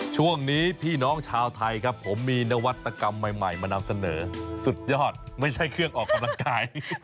ช่วงนี้พี่น้องชาวไทยครับผมมีนวัตกรรมใหม่มานำเสนอสุดยอดไม่ใช่เครื่องออกกำลังกาย